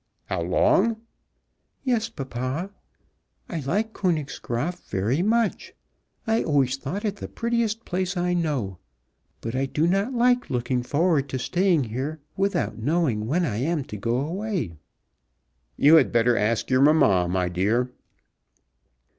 "How long?" "Yes, papa. I like Königsgraaf very much. I always thought it the prettiest place I know. But I do not like looking forward to staying here without knowing when I am to go away." "You had better ask your mamma, my dear."